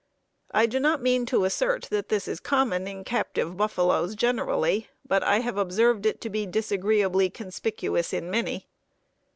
I do not mean to assert that this is common in captive buffaloes generally, but I have observed it to be disagreeably conspicuous in many.